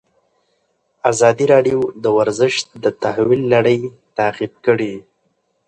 ازادي راډیو د ورزش د تحول لړۍ تعقیب کړې.